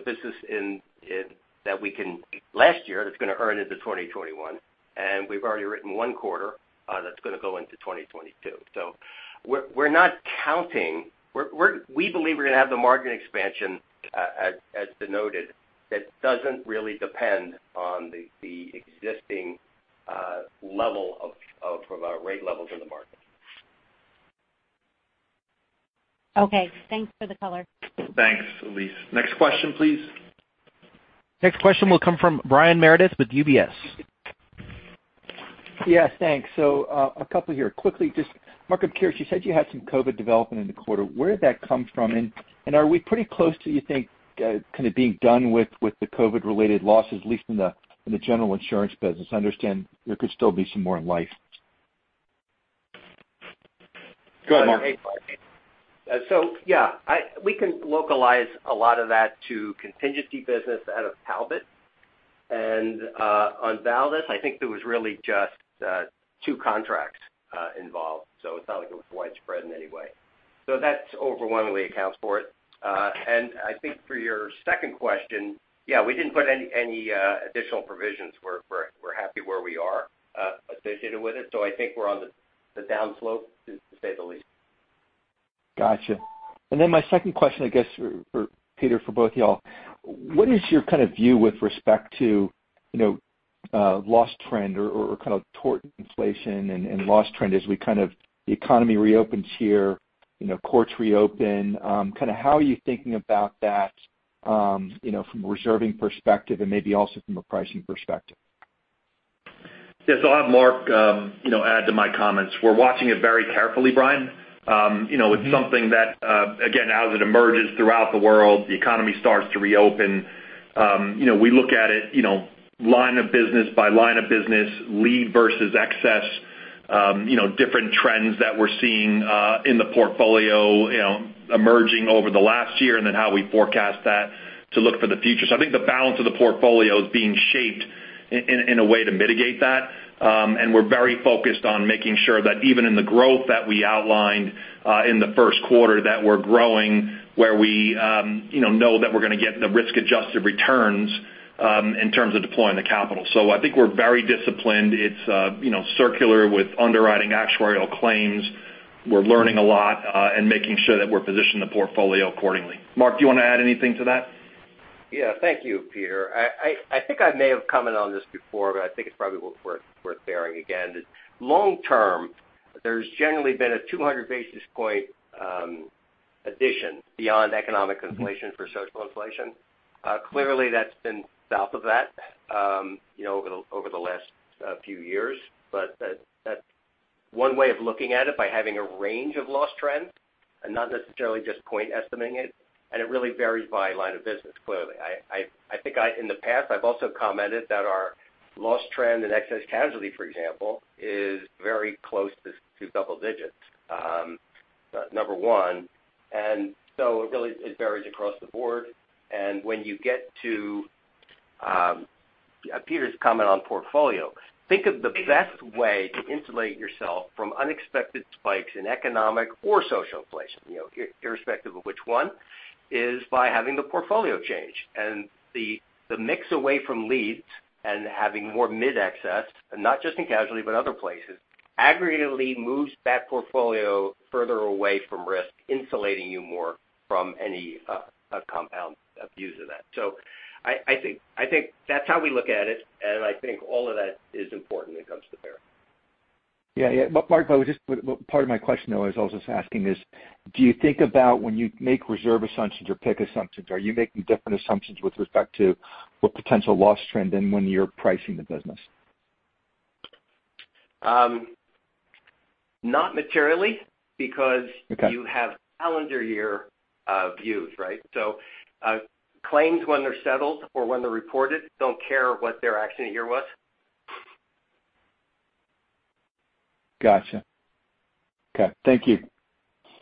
business that we can last year, that's going to earn into 2021, and we've already written one quarter that's going to go into 2022. We believe we're going to have the margin expansion as denoted. That doesn't really depend on the existing level of our rate levels in the market. Okay. Thanks for the color. Thanks, Elyse. Next question, please. Next question will come from Brian Meredith with UBS. Yes. Thanks. A couple here. Quickly, just Mark, I'm curious, you said you had some COVID development in the quarter. Where did that come from, and are we pretty close to, you think, kind of being done with the COVID-related losses, at least in the General Insurance business? I understand there could still be some more in life. Go ahead, Mark. Yeah, we can localize a lot of that to contingency business out of Talbot. On Validus, I think it was really just two contracts involved, so it's not like it was widespread in any way. That overwhelmingly accounts for it. I think for your second question, yeah, we didn't put any additional provisions. We're happy where we are associated with it. I think we're on the down slope, to say the least. Got you. My second question, I guess, for Peter, for both you all, what is your kind of view with respect to loss trend or kind of tort inflation and loss trend as the economy reopens here, courts reopen? Kind of how are you thinking about that from a reserving perspective and maybe also from a pricing perspective? Yes. I'll have Mark add to my comments. We're watching it very carefully, Brian. It's something that, again, as it emerges throughout the world, the economy starts to reopen. We look at it line of business by line of business, lead versus excess, different trends that we're seeing in the portfolio emerging over the last year, how we forecast that to look for the future. I think the balance of the portfolio is being shaped in a way to mitigate that, and we're very focused on making sure that even in the growth that we outlined in the first quarter, that we're growing where we know that we're going to get the risk-adjusted returns in terms of deploying the capital. I think we're very disciplined. It's circular with underwriting actuarial claims. We're learning a lot and making sure that we're positioning the portfolio accordingly. Mark, do you want to add anything to that? Yeah. Thank you, Peter. I think I may have commented on this before, but I think it's probably worth hearing again. Long-term, there's generally been a 200 basis point addition beyond economic inflation for social inflation. Clearly, that's been south of that over the last few years. That's one way of looking at it, by having a range of loss trend and not necessarily just point estimating it. It really varies by line of business, clearly. I think in the past, I've also commented that our loss trend in Excess Casualty, for example, is very close to double digits, number one. It varies across the board. When you get to Peter's comment on portfolio, think of the best way to insulate yourself from unexpected spikes in economic or social inflation, irrespective of which one, is by having the portfolio change. The mix away from leads and having more mid-excess, not just in casualty, but other places, aggregatively moves that portfolio further away from risk, insulating you more from any compound abuse of that. I think that's how we look at it, and I think all of that is important when it comes to bearing. Yeah. Mark, part of my question though I was also asking is, do you think about when you make reserve assumptions or pick assumptions, are you making different assumptions with respect to what potential loss trend and when you're pricing the business? Not materially because- Okay you have calendar year views, right? Claims when they're settled or when they're reported, don't care what their accident year was. Got you. Okay. Thank you.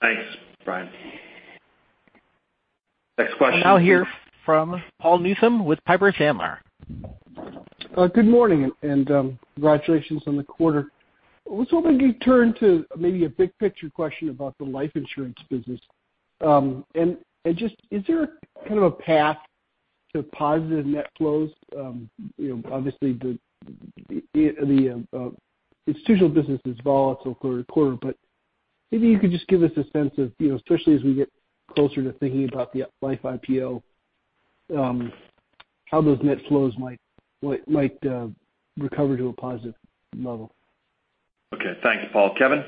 Thanks, Brian. Next question. Now hearing from Paul Newsome with Piper Sandler. Good morning, and congratulations on the quarter. I was hoping to turn to maybe a big picture question about the life insurance business. Just, is there a kind of a path to positive net flows? Obviously, the institutional business is volatile quarter to quarter, but maybe you could just give us a sense of, especially as we get closer to thinking about the life IPO, how those net flows might recover to a positive level. Okay. Thank you, Paul. Kevin?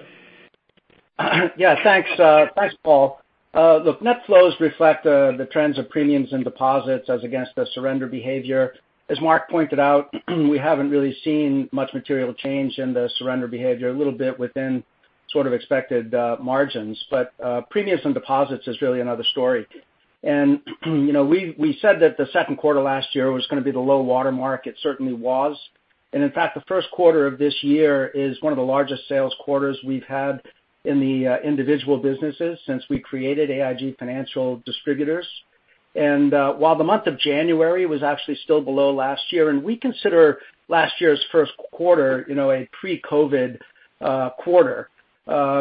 Yeah, thanks, Paul. Look, net flows reflect the trends of premiums and deposits as against the surrender behavior. As Mark pointed out, we haven't really seen much material change in the surrender behavior, a little bit within sort of expected margins. Premiums and deposits is really another story. We said that the second quarter last year was going to be the low water mark. It certainly was. In fact, the first quarter of this year is one of the largest sales quarters we've had in the individual businesses since we created AIG Financial Distributors. While the month of January was actually still below last year, and we consider last year's first quarter a pre-COVID quarter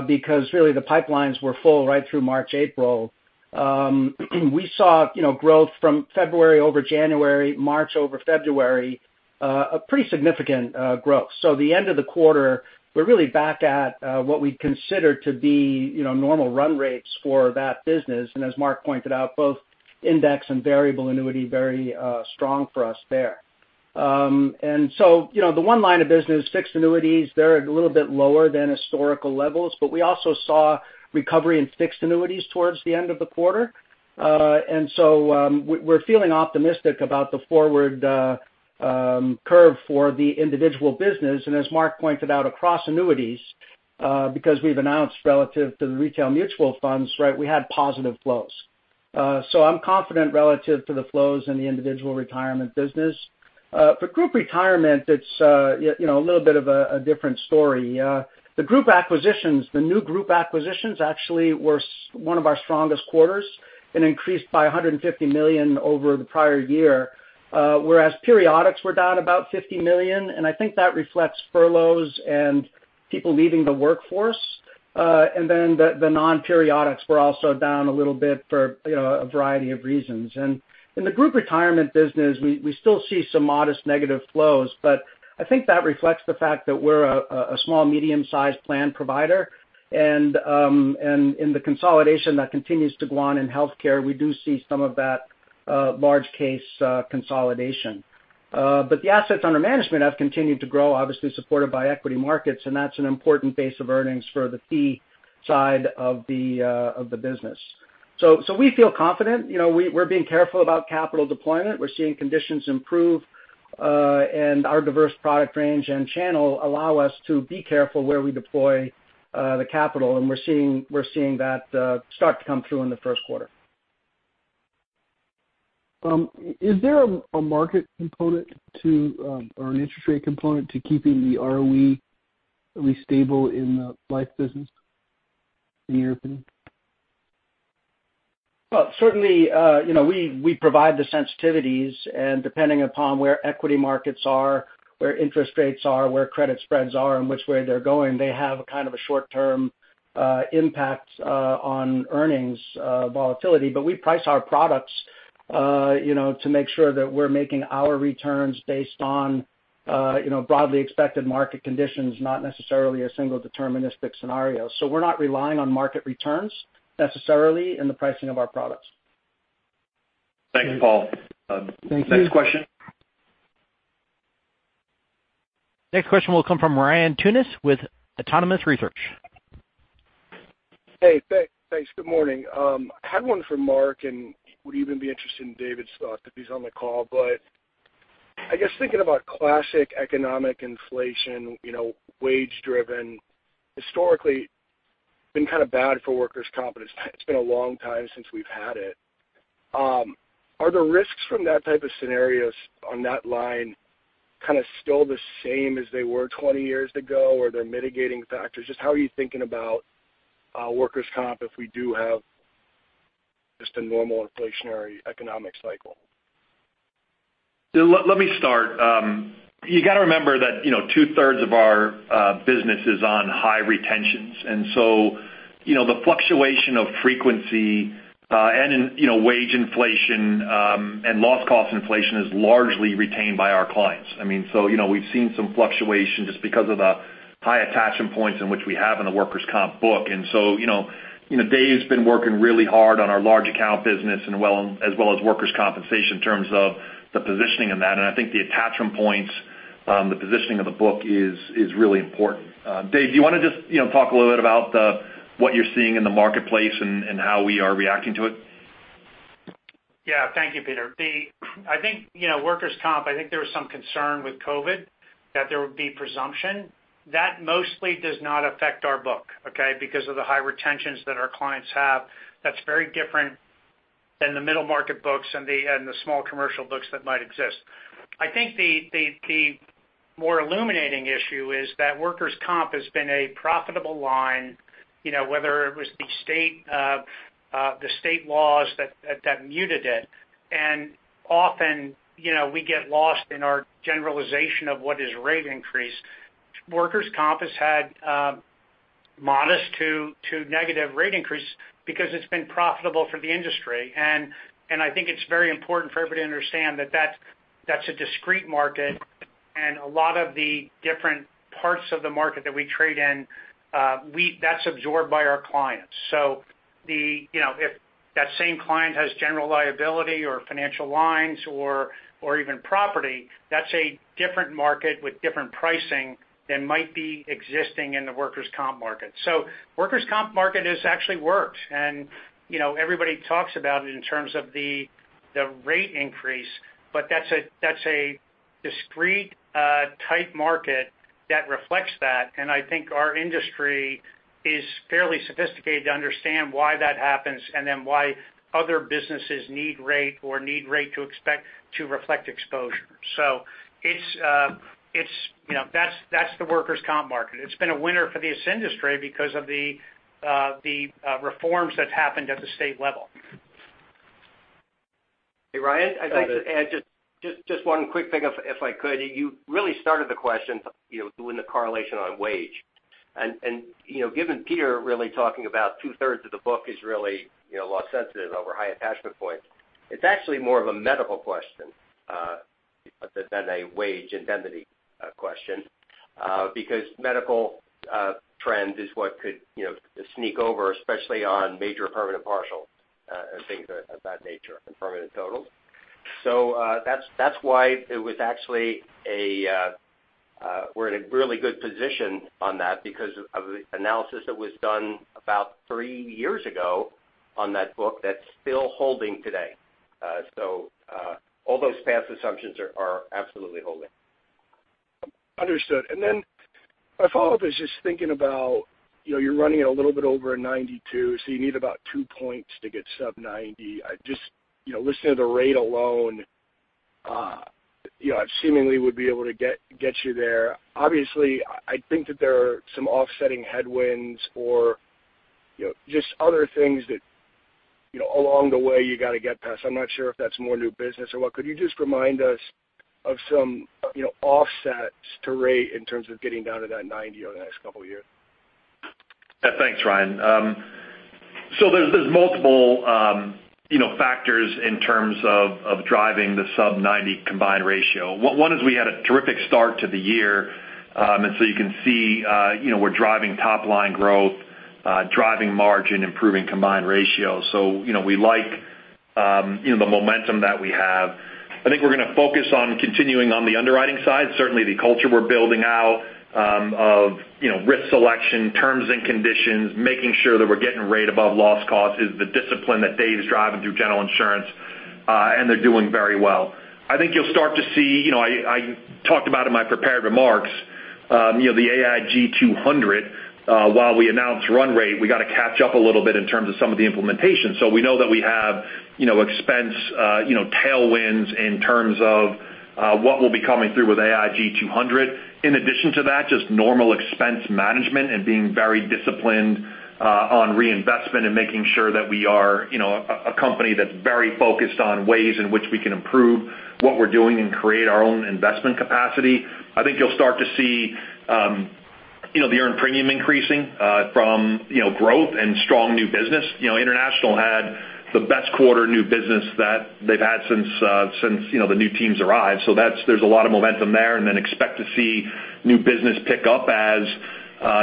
because really the pipelines were full right through March, April. We saw growth from February over January, March over February, a pretty significant growth. The end of the quarter, we're really back at what we'd consider to be normal run rates for that business. As Mark pointed out, both index and variable annuity very strong for us there. The one line of business, fixed annuities, they're a little bit lower than historical levels, but we also saw recovery in fixed annuities towards the end of the quarter. We're feeling optimistic about the forward curve for the individual business. As Mark pointed out across annuities, because we've announced relative to the retail mutual funds, we had positive flows. I'm confident relative to the flows in the individual retirement business. For group retirement, it's a little bit of a different story. The group acquisitions, the new group acquisitions actually were one of our strongest quarters and increased by $150 million over the prior year. Periodics were down about $50 million, and I think that reflects furloughs and people leaving the workforce. The non-periodics were also down a little bit for a variety of reasons. In the group retirement business, we still see some modest negative flows, but I think that reflects the fact that we're a small, medium-sized plan provider. In the consolidation that continues to go on in healthcare, we do see some of that large case consolidation. The assets under management have continued to grow, obviously supported by equity markets, and that's an important base of earnings for the fee side of the business. We feel confident. We're being careful about capital deployment. We're seeing conditions improve, and our diverse product range and channel allow us to be careful where we deploy the capital, and we're seeing that start to come through in the first quarter. Is there a market component or an interest rate component to keeping the ROE at least stable in the life business, in your opinion? Certainly we provide the sensitivities, and depending upon where equity markets are, where interest rates are, where credit spreads are, and which way they're going, they have kind of a short-term impact on earnings volatility. We price our products to make sure that we're making our returns based on broadly expected market conditions, not necessarily a single deterministic scenario. We're not relying on market returns necessarily in the pricing of our products. Thanks, Paul. Thank you. Next question? Next question will come from Ryan Tunis with Autonomous Research. Hey. Thanks. Good morning. I had one for Mark, and would even be interested in David's thought, if he's on the call. I guess thinking about classic economic inflation, wage-driven, historically been kind of bad for workers' comp, it's been a long time since we've had it. Are the risks from that type of scenarios on that line kind of still the same as they were 20 years ago, or are there mitigating factors? Just how are you thinking about workers' comp if we do have just a normal inflationary economic cycle? Let me start. You got to remember that 2/3 of our business is on high retentions. The fluctuation of frequency, and wage inflation, and loss cost inflation is largely retained by our clients. We've seen some fluctuation just because of the high attachment points in which we have in the workers' comp book. Dave's been working really hard on our large account business as well as workers' compensation in terms of the positioning in that. I think the attachment points, the positioning of the book is really important. Dave, do you want to just talk a little bit about what you're seeing in the marketplace and how we are reacting to it? Yeah. Thank you, Peter. I think workers' comp, I think there was some concern with COVID that there would be presumption. That mostly does not affect our book, okay? Because of the high retentions that our clients have. That's very different than the middle market books and the small commercial books that might exist. I think the more illuminating issue is that workers' comp has been a profitable line, whether it was the state laws that muted it. Often, we get lost in our generalization of what is rate increase. Workers' comp has had modest to negative rate increase because it's been profitable for the industry. I think it's very important for everybody to understand that that's a discrete market, and a lot of the different parts of the market that we trade in, that's absorbed by our clients. If that same client has general liability or financial lines or even property, that's a different market with different pricing than might be existing in the workers' comp market. Workers' comp market has actually worked, and everybody talks about it in terms of the rate increase, but that's a discrete type market that reflects that. I think our industry is fairly sophisticated to understand why that happens, and then why other businesses need rate or need rate to reflect exposure. That's the workers' comp market. It's been a winner for this industry because of the reforms that happened at the state level. Hey, Ryan, I'd like to add just one quick thing, if I could. You really started the question doing the correlation on wage. Given Peter really talking about two-thirds of the book is really loss sensitive over high attachment points, it's actually more of a medical question than a wage indemnity question, because medical trend is what could sneak over, especially on major permanent partial and things of that nature, and permanent total. That's why we're in a really good position on that because of the analysis that was done about three years ago on that book that's still holding today. All those past assumptions are absolutely holding. Understood. My follow-up is just thinking about you're running a little bit over a 92, so you need about two points to get sub 90. Just listening to the rate alone seemingly would be able to get you there. Obviously, I think that there are some offsetting headwinds or just other things that along the way you got to get past. I'm not sure if that's more new business or what. Could you just remind us of some offsets to rate in terms of getting down to that 90 over the next couple of years? Yeah. Thanks, Ryan. There's multiple factors in terms of driving the sub 90 combined ratio. One is we had a terrific start to the year, and so you can see we're driving top-line growth, driving margin, improving combined ratio. We like the momentum that we have. I think we're going to focus on continuing on the underwriting side. Certainly, the culture we're building out of risk selection, terms and conditions, making sure that we're getting rate above loss cost is the discipline that David McElroy is driving through General Insurance, and they're doing very well. I think you'll start to see, I talked about in my prepared remarks, the AIG 200. While we announced run rate, we got to catch up a little bit in terms of some of the implementation. We know that we have expense tailwinds in terms of what will be coming through with AIG 200. In addition to that, just normal expense management and being very disciplined on reinvestment and making sure that we are a company that's very focused on ways in which we can improve what we're doing and create our own investment capacity. I think you'll start to see the earned premium increasing from growth and strong new business. International had the best quarter new business that they've had since the new teams arrived. There's a lot of momentum there, expect to see new business pick up as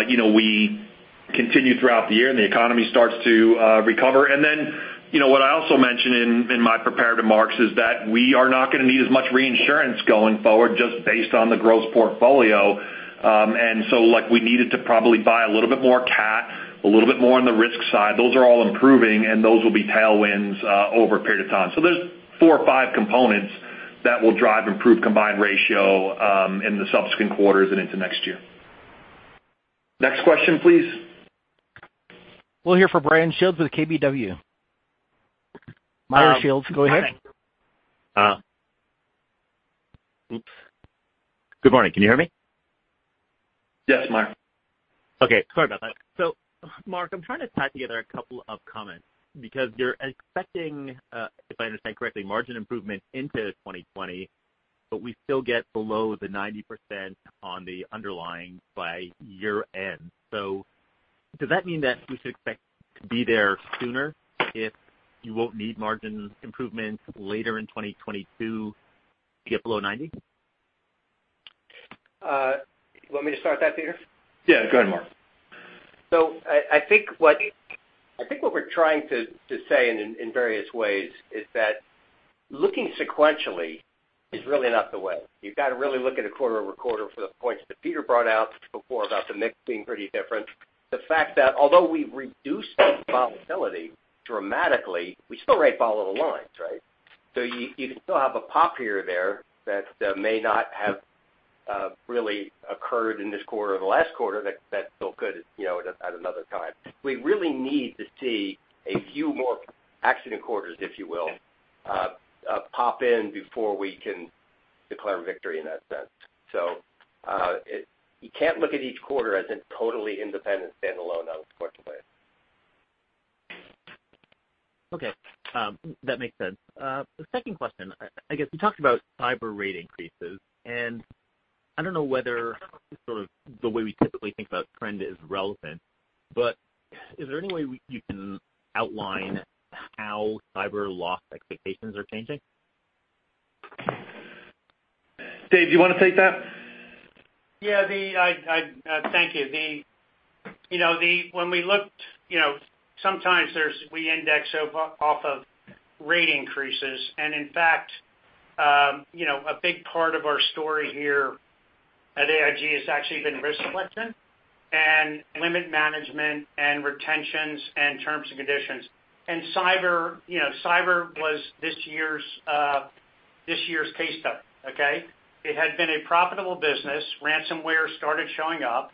we continue throughout the year, and the economy starts to recover. What I also mentioned in my prepared remarks is that we are not going to need as much reinsurance going forward just based on the gross portfolio. We needed to probably buy a little bit more CAT, a little bit more on the risk side. Those are all improving, and those will be tailwinds over a period of time. There's four or five components that will drive improved combined ratio in the subsequent quarters and into next year. Next question, please. We'll hear from Meyer Shields with KBW.. Meyer Shields, go ahead. Good morning. Can you hear me? Yes, Meyer. Okay. Sorry about that. Mark, I'm trying to tie together a couple of comments because you're expecting, if I understand correctly, margin improvement into 2020, but we still get below the 90% on the underlying by year-end. Does that mean that we should expect to be there sooner if you won't need margin improvements later in 2022 to get below 90? You want me to start that, Peter? Yeah, go ahead, Mark. I think what we're trying to say in various ways is that looking sequentially is really not the way. You've got to really look at it quarter-over-quarter for the points that Peter brought out before about the mix being pretty different. The fact that although we've reduced the volatility dramatically, we still write follow the lines, right? You can still have a pop here or there that may not have really occurred in this quarter or the last quarter that still could at another time. We really need to see a few more accident quarters, if you will, pop in before we can declare victory in that sense. You can't look at each quarter as a totally independent standalone, I would put it. Okay. That makes sense. The second question, I guess you talked about cyber rate increases, and I don't know whether sort of the way we typically think about trend is relevant, but is there any way you can outline how cyber loss expectations are changing? Dave, do you want to take that? Yeah. Thank you. When we looked, sometimes we index off of rate increases, and in fact, a big part of our story here at AIG has actually been risk selection and limit management and retentions and terms and conditions. Cyber was this year's case study. Okay. It had been a profitable business. Ransomware started showing up,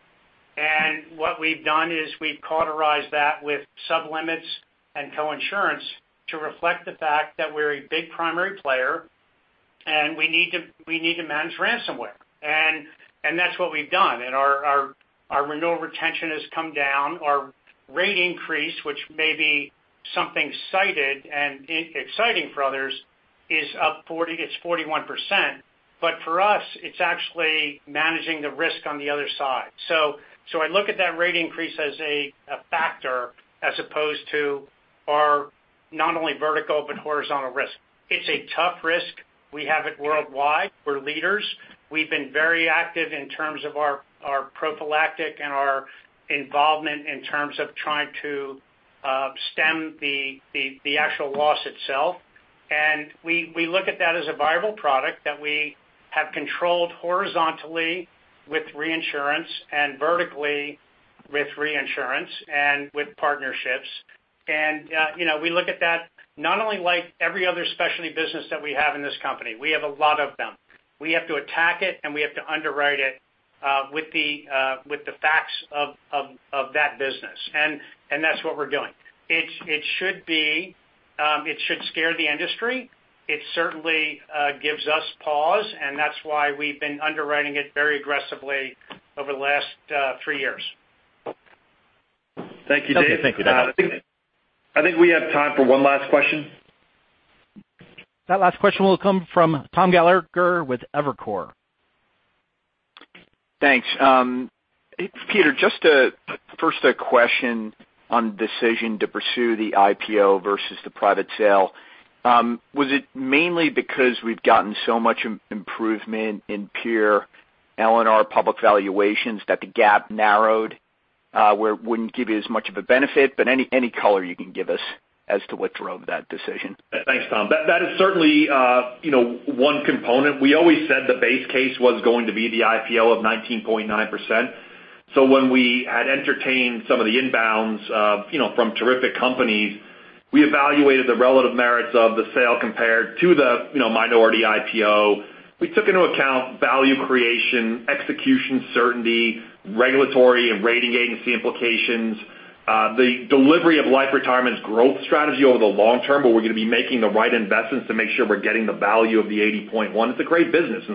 and what we've done is we've cauterized that with sub-limits and co-insurance to reflect the fact that we're a big primary player, and we need to manage ransomware. That's what we've done. Our renewal retention has come down. Our rate increase, which may be something cited and exciting for others, it's 41%, but for us, it's actually managing the risk on the other side. I look at that rate increase as a factor as opposed to our not only vertical but horizontal risk. It's a tough risk. We have it worldwide. We're leaders. We've been very active in terms of our prophylactic and our involvement in terms of trying to stem the actual loss itself. We look at that as a viable product that we have controlled horizontally with reinsurance and vertically with reinsurance and with partnerships. We look at that not only like every other specialty business that we have in this company. We have a lot of them. We have to attack it, and we have to underwrite it with the facts of that business. That's what we're doing. It should scare the industry. It certainly gives us pause, and that's why we've been underwriting it very aggressively over the last three years. Thank you, Dave. Okay. Thank you. I think we have time for one last question. That last question will come from Thomas Gallagher with Evercore. Thanks. Peter, just first a question on decision to pursue the IPO versus the private sale. Was it mainly because we've gotten so much improvement in pure L&R public valuations that the gap narrowed where it wouldn't give you as much of a benefit? Any color you can give us as to what drove that decision. Thanks, Tom. That is certainly one component. We always said the base case was going to be the IPO of 19.9%. When we had entertained some of the inbounds from terrific companies, we evaluated the relative merits of the sale compared to the minority IPO. We took into account value creation, execution certainty, regulatory and rating agency implications, the delivery of Life & Retirement's growth strategy over the long term, where we're going to be making the right investments to make sure we're getting the value of the 80.1%. It's a great business, we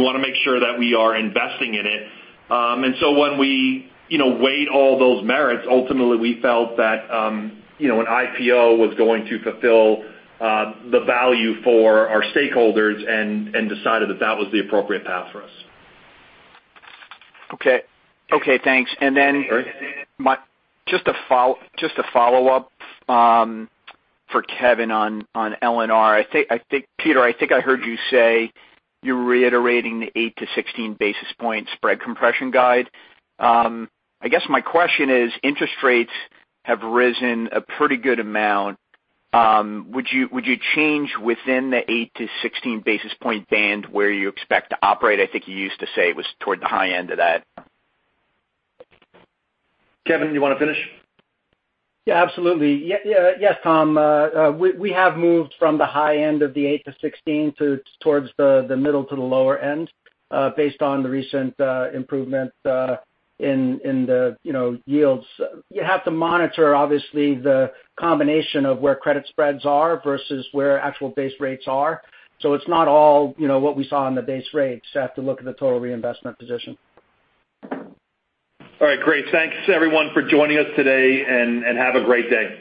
want to make sure that we are investing in it. When we weighed all those merits, ultimately we felt that an IPO was going to fulfill the value for our stakeholders and decided that that was the appropriate path for us. Okay. Thanks. Just a follow-up for Kevin on L&R. Peter, I think I heard you say you're reiterating the 8-16 basis point spread compression guide. I guess my question is, interest rates have risen a pretty good amount. Would you change within the 8-16 basis point band where you expect to operate? I think you used to say it was toward the high end of that. Kevin, you want to finish? Yeah, absolutely. Yes, Tom. We have moved from the high end of the 8-16 towards the middle to the lower end based on the recent improvement in the yields. You have to monitor, obviously, the combination of where credit spreads are versus where actual base rates are. It's not all what we saw on the base rates. You have to look at the total reinvestment position. All right. Great. Thanks everyone for joining us today, and have a great day.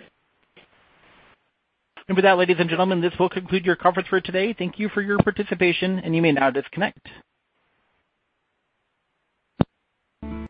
With that, ladies and gentlemen, this will conclude your conference for today. Thank you for your participation, and you may now disconnect.